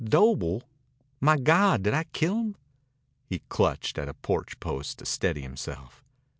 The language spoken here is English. "Doble? My God, did I kill him?" He clutched at a porch post to steady himself.